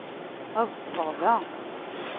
Ad ṭṭseɣ da.